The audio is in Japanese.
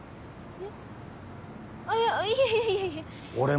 えっ？